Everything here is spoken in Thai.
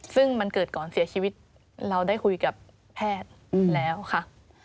ซึ่งมันเกิดก่อนเสียชีวิตเราได้คุยกับแพทย์แล้วค่ะ